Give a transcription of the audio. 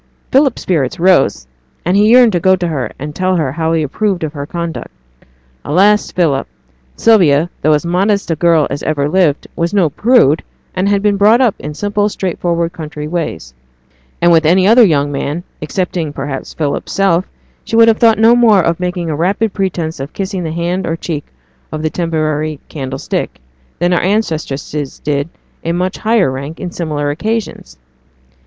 Philip's spirits rose, and he yearned to go to her and tell her how he approved of her conduct. Alas, Philip! Sylvia, though as modest a girl as ever lived, was no prude, and had been brought up in simple, straightforward country ways; and with any other young man, excepting, perhaps, Philip's self, she would have thought no more of making a rapid pretence of kissing the hand or cheek of the temporary 'candlestick', than our ancestresses did in a much higher rank on similar occasions.